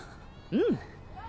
うん。